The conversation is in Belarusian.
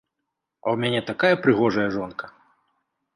А ў мяне такая прыгожая жонка!